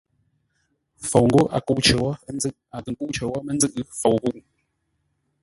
Fou ghó a kə́u cər wó ńzʉ́ʼ, a kə̂ kə́u cər wó mə́ ńzʉ́ʼ, fou ghúʼu.